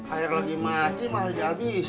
air lagi mati malah sudah habis